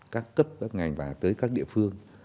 các cấp các ngành và tới các địa phương